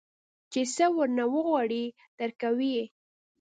چې سه ورنه وغواړې درکوي يې.